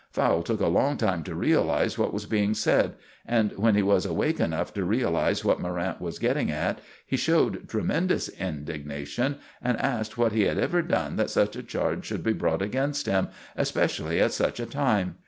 Fowle took a long time to realize what was being said, and when he was awake enough to realize what Morrant was getting at, he showed tremendous indignation, and asked what he had ever done that such a charge should be brought against him, especially at such a time.